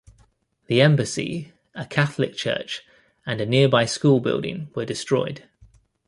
The embassy, a Catholic church, and a nearby school building were destroyed.